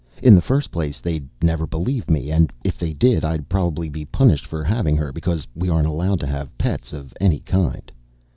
In the first place, they'd never believe me. And, if they did, I'd probably be punished for having her. Because we aren't allowed to have pets of any kind.